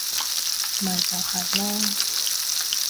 咪就係囉